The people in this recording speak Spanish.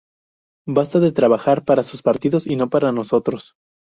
Basta de trabajar para sus partidos y no para nosotros.